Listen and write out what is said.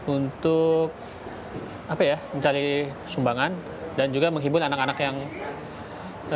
untuk mencari sumbangan dan juga menghibur anak anak yang